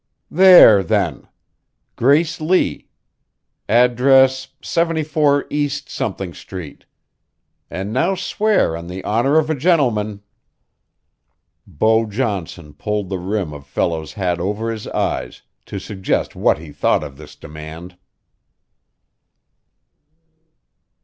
"There, then. Grace Lee. Address, 74 East Street. And now swear on the honor of a gentleman " Beau Johnson pulled the rim of Fellows's hat over his eyes to suggest what he thought of this demand.